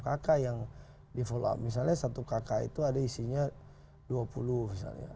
hanya empat kk atau enam kk yang di follow up misalnya satu kk itu ada isinya dua puluh misalnya